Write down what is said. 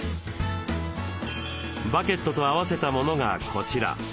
バケットと合わせたものがこちら。